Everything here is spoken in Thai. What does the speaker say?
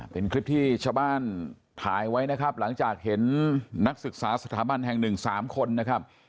เป็นคลิปที่ชาวบ้านถ่ายไว้นะครับหลังจากเห็นนักศึกษาสถาบันแห่งหนึ่งสามคนนะครับ